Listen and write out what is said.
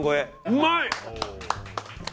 うまい！